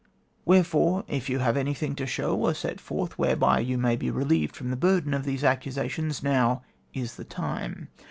Wherefore, if you have anything to show or set forth whereby you may be relieved from the burden of these accusations, now is the time.